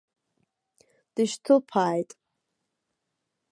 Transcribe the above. Дышьҭылԥааит.